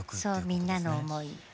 そうみんなの思い。